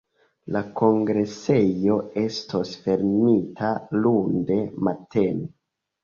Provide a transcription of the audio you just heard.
La kongresejo estos fermita lunde matene.